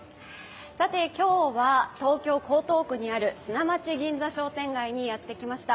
さて、今日は東京・江東区にある砂町銀座商店街にやってきました。